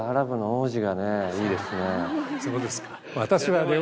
そうですか。